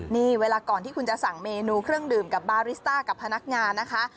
นี่เวลาก่อนที่คุณจะสั่งเมนูเครื่องดื่มกับบาริสต้ากับพนักงานนะคะ